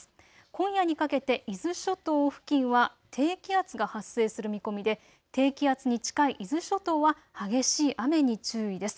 今夜にかけて伊豆諸島付近は低気圧が発生する見込みで低気圧に近い伊豆諸島は激しい雨に注意です。